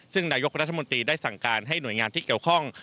ซึ่งนายกรัฐมนตรีได้สั่งการให้หน่วยงานที่เกี่ยวข้อง